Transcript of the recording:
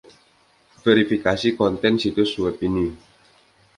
Verifikasi konten situs web ini.